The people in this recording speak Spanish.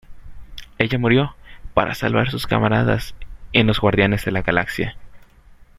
Ella murió para salvar a sus camaradas en los Guardianes de la Galaxia.